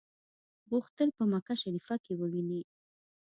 غوښتل په مکه شریفه کې وویني.